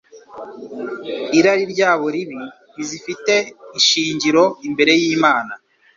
irari ryabo ribi ntizifite ishingiro imbere y’Imana.